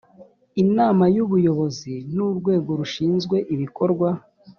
inama y’ubuyobozi ni urwego rushinzwe ibikorwa